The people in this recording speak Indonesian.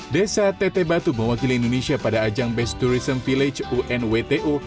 desa teteh batu mewakili indonesia pada ajang best tourism village unwto